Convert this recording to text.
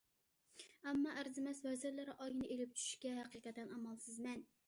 ئەمما ئەرزىمەس ۋەزىرلىرى ئاينى ئېلىپ چۈشۈشكە ھەقىقەتەن ئامالسىزمەن.